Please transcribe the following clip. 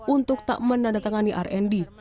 untuk tak menandatangani rnd